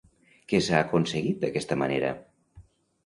Què s'ha aconseguit d'aquesta manera?